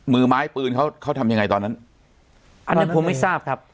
มือไม้ปืนเขาเขาทำยังไงตอนนั้นอันเนี้ยผมไม่ทราบครับ